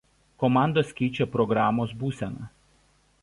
Komandos keičia programos būseną.